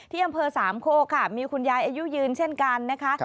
อำเภอสามโคกค่ะมีคุณยายอายุยืนเช่นกันนะคะ